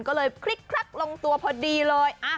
ก็เลยคลิกคลักลงตัวพอดีเลย